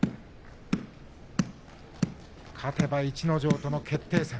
勝てば逸ノ城との決定戦。